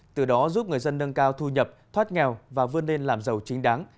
từ đó giúp người dân nâng cao thu nhập thoát nghèo và vươn lên làm giàu chính đáng